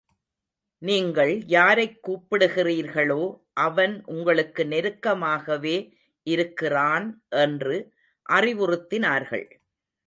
நீங்கள் யாரைக் கூப்பிடுகிறீர்களோ, அவன் உங்களுக்கு நெருக்கமாகவே இருக்கிறான், என்று அறிவுறுத்தினார்கள்.